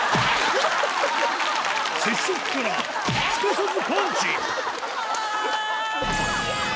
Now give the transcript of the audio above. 接触からすかさずパンチあぁ！イェイ！